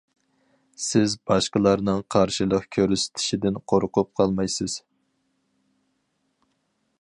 سىز باشقىلارنىڭ قارشىلىق كۆرسىتىشىدىن قورقۇپ قالمايسىز.